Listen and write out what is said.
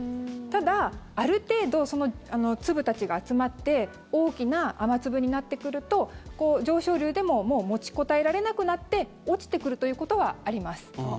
ただ、ある程度その粒たちが集まって大きな雨粒になってくると上昇流でももう持ちこたえられなくなって落ちてくるということはあります。